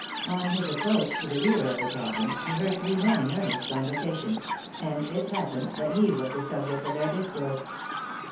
On his approach to the rear of the cabin, he heard three men in earnest conversation; and it happened that he was the subject of their discourse.